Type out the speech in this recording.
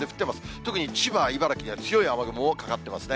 特に、千葉、茨城では強い雨雲もかかってますね。